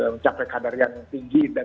mencapai kadar yang tinggi dan